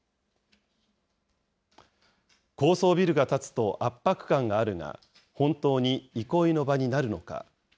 高層ビルが建つと圧迫感があるが、本当に憩いの場になるのか。